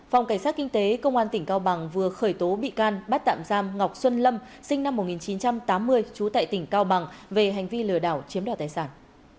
phòng cảnh sát kinh tế công an tỉnh cao bằng vừa khởi tố bị can bắt tạm giam ngọc xuân lâm sinh năm một nghìn chín trăm tám mươi trú tại tỉnh cao bằng về hành vi lừa đảo chiếm đoạt tài sản